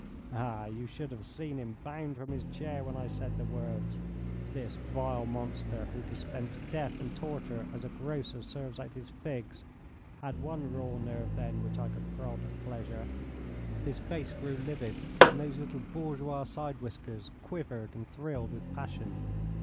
Ah, you should have seen him bound from his chair when I said the words. This vile monster, who dispensed death and torture as a grocer serves out his figs, had one raw nerve then which I could prod at pleasure. His face grew livid, and those little bourgeois side whiskers quivered and thrilled with passion.